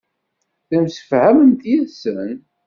Ttemsefhament yid-sen.